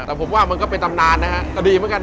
แต่ผมว่ามันก็เป็นตำนานนะฮะ